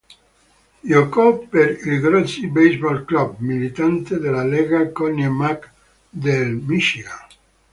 Giocò per il Grossi Baseball Club militante nella lega "Connie Mack" del Michigan.